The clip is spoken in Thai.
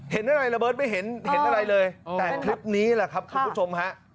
เห็นอะไรระเบิดไม่เห็นเห็นอะไรเลยแต่คลิปนี้แหละครับคุณผู้ชมฮะ